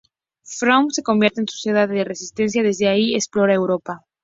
Frankfurt se convierte en su ciudad de residencia, desde allí explora Europa.